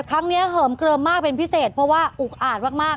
เหิมเกลิมมากเป็นพิเศษเพราะว่าอุกอาดมาก